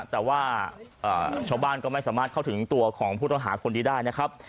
แต่ว่าชาวบ้านก็ไม่สามารถเข้าถึงตัวของผู้ต้องหาคนนี้ได้นะครับ